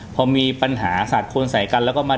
พอมีปัญหาสัตว์คนใส่กันแล้วก็มา